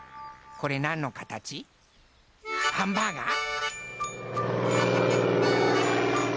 これなんのかたち？ハンバーガー？